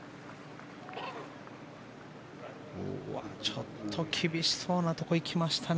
ちょっと厳しそうなところに行きましたね